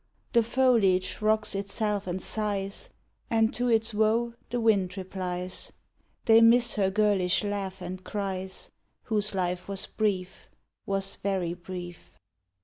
The foliage rocks itself and sighs, And to its woe the wind replies, They miss her girlish laugh and cries, Whose life was brief, Was very brief.